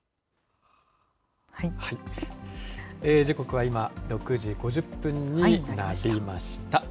時刻は今、６時５０分になりました。